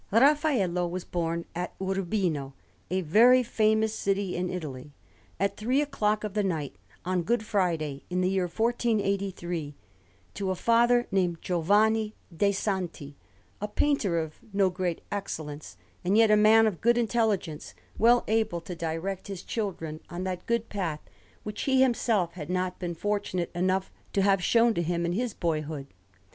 GEORGE AND THE DRAGON (S. Petersburg: Hermitage, 39. Panel)] Raffaello was born at Urbino, a very famous city in Italy, at three o'clock of the night on Good Friday, in the year 1483, to a father named Giovanni de' Santi, a painter of no great excellence, and yet a man of good intelligence, well able to direct his children on that good path which he himself had not been fortunate enough to have shown to him in his boyhood.